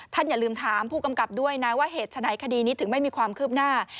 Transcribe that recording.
อย่าลืมถามผู้กำกับด้วยนะว่าเหตุฉะไหนคดีนี้ถึงไม่มีความคืบหน้า